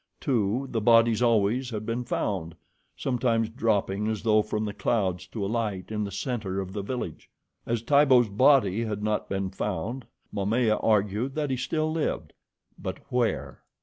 Too, the bodies always had been found, sometimes dropping as though from the clouds to alight in the center of the village. As Tibo's body had not been found, Momaya argued that he still lived, but where?